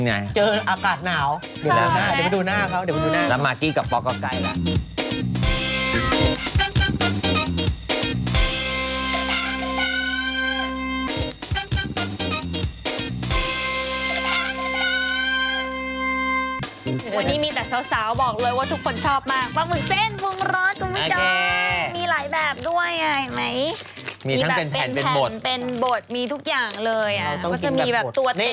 ในช่วงหน้าเป็นข่าวบันเทิงกันนะคะเดี๋ยวจะเล่าให้ฟังว่า